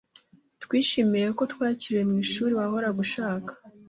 Twishimiye ko twakiriwe mwishuri wahoraga ushaka.